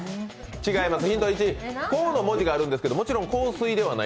違いますね。